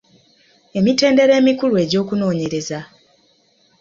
emitendera emikulu egy’okunoonyereza: